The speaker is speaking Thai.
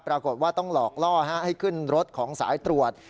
ปรากฏว่าต้องหลอกล่อให้ขึ้นรถของสายตรวจ